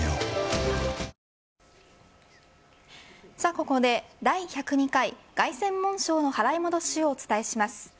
ここで、第１０２回凱旋門賞の払い戻しをお伝えします。